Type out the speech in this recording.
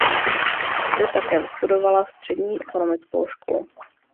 Zde také vystudovala Střední ekonomickou školu.